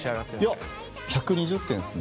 いや１２０点ですね。